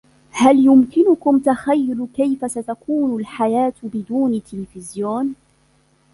هل يمكنكم تخيل كيف ستكون الحياة بدون تلفزيون؟